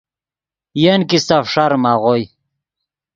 ین کیستہ فݰاریم آغوئے۔